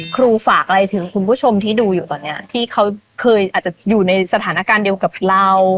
ฝากอะไรถึงคุณผู้ชมที่ดูอยู่ตอนนี้ที่เขาเคยอาจจะอยู่ในสถานการณ์เดียวกับเรา